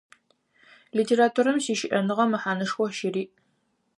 Литературэм сищыӏэныгъэ мэхьанэшхо щыриӏ.